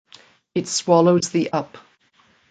It swallows thee up.